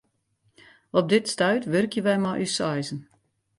Op dit stuit wurkje wy mei ús seizen.